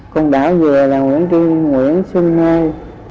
còn đảo vừa là nguyễn xuân mai